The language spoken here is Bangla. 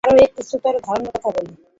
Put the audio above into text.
আরও এক উচ্চতর ধারণার কথা বলি।